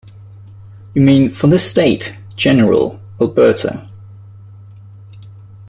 You mean for this State, General, Alberta.